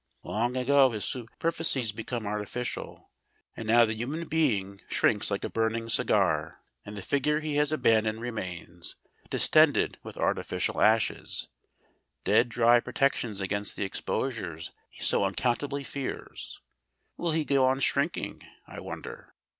Long ago his superficies became artificial, and now the human being shrinks like a burning cigar, and the figure he has abandoned remains distended with artificial ashes, dead dry protections against the exposures he so unaccountably fears. Will he go on shrinking, I wonder?